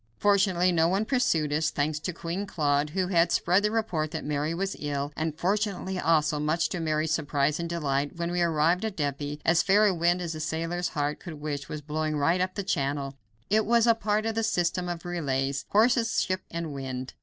Fortunately no one pursued us, thanks to Queen Claude, who had spread the report that Mary was ill, and fortunately, also, much to Mary's surprise and delight, when we arrived at Dieppe, as fair a wind as a sailor's heart could wish was blowing right up the channel. It was a part of the system of relays horses, ship, and wind.